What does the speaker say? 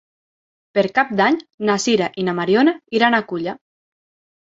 Per Cap d'Any na Sira i na Mariona iran a Culla.